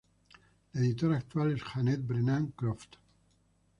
La editora actual es Janet Brennan Croft.